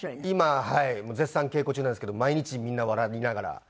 今絶賛稽古中なんですけど毎日みんな笑いながら。